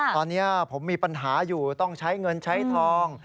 ตอนนี้ผมมีปัญหาอยู่ต้องใช้เงินใช้ทอง